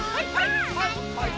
はいはい！